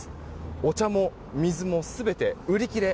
お茶も水も全て売り切れ。